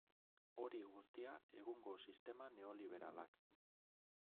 Hori guztia egungo sistema neoliberalak.